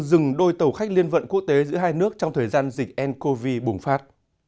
dừng đôi tàu khách liên vận quốc tế giữa hai nước trong thời gian dịch ncov bùng phát